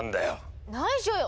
ないしょよ！